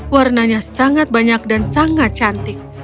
warnanya sangat banyak dan sangat cantik